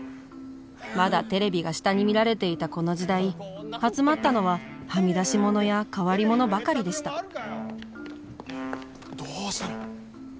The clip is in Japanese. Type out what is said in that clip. まだテレビが下に見られていたこの時代集まったのははみ出し者や変わり者ばかりでしたどうしたの？